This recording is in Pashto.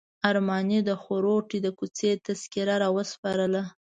ارماني د خروټو د کوڅې تذکره راوسپارله.